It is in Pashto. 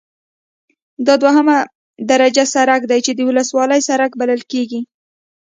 دا دوهمه درجه سرک دی چې د ولسوالۍ سرک بلل کیږي